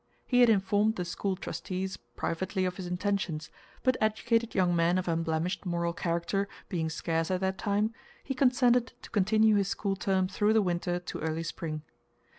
He had informed the school trustees privately of his intentions, but educated young men of unblemished moral character being scarce at that time, he consented to continue his school term through the winter to early spring.